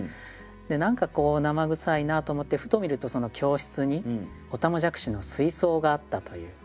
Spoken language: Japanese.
何かこうなまぐさいなと思ってふと見るとその教室におたまじゃくしの水槽があったという。